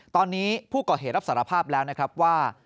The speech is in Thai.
ตอนนี้ผู้ก่อเหตุรับสารภาพแล้วนะครับว่า